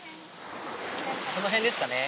この辺ですかね。